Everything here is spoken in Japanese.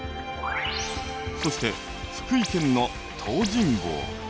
そして福井県の東尋坊。